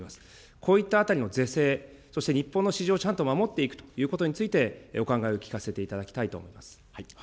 こういったあたりの税制、そして日本の市場をちゃんと守っていくということについて、お考えを聞かせていただきたいと思います。